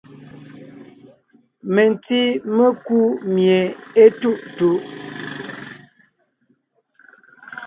Mentí mekú mie étuʼtuʼ.